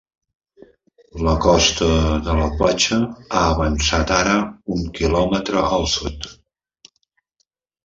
La costa de la platja ha avançat ara un quilòmetre al sud.